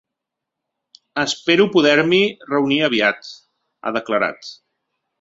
Espero poder-m’hi reunir aviat, ha declarat.